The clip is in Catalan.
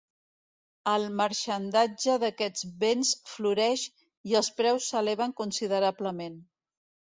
El marxandatge d'aquests béns floreix i els preus s'eleven considerablement.